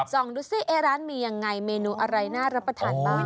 ดูสิร้านมียังไงเมนูอะไรน่ารับประทานบ้าง